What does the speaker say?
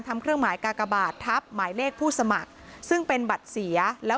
เครื่องหมายกากบาททับหมายเลขผู้สมัครซึ่งเป็นบัตรเสียแล้ว